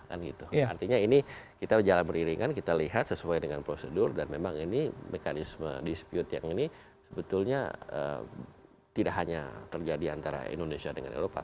artinya ini kita jalan beriringan kita lihat sesuai dengan prosedur dan memang ini mekanisme dispute yang ini sebetulnya tidak hanya terjadi antara indonesia dengan eropa